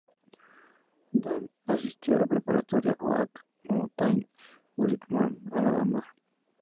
Dahl asistió a la preparatoria Oak Mountain en Birmingham, Alabama.